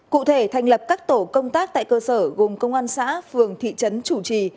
cụ thể thành lập các tổ công tác tại cơ sở gồm công an xã phường thị trấn chủ trì